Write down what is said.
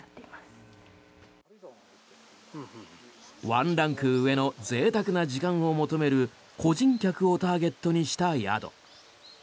ワンランク上のぜいたくな時間を求める個人客をターゲットにした宿。